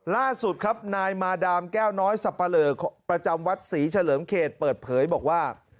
ล่าสุดครับนายมาดามแก้วน้อยสับปะเลอประจำวัดศรีเฉลิมเขตเปิดเผยบอกว่า